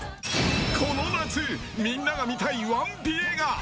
この夏みんなが見たい「ワンピ」映画。